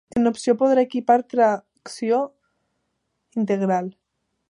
En opció podrà equipar tracció integral.